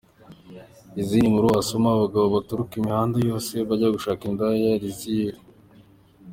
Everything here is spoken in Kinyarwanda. Izindi nkuru wasoma: -Abagabo baturuka imihanda yose bajya gushaka indaya Riziyeri.